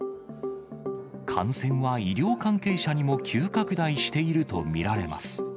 感染は医療関係者にも急拡大していると見られます。